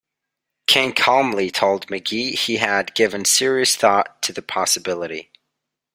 King calmly told McGee he had given serious thought to the possibility.